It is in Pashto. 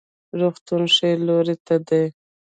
روغتون ښي لوري ته دی